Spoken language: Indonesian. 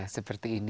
iya seperti ini